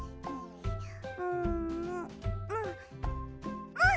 うん！